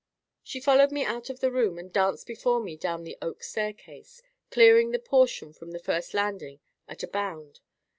She followed me out of the room, and danced before me down the oak staircase, clearing the portion from the first landing at a bound.